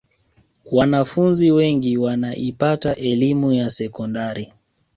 wanafunzi wengi wanaipata elimu ya sekondari